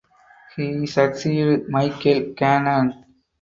He succeeded Michael Gannon.